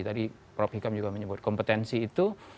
tadi prof hikam juga menyebut kompetensi itu